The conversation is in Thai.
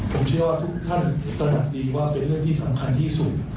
ผมเชื่อว่าทุกท่านตระหนักดีว่าเป็นเรื่องที่สำคัญที่สุด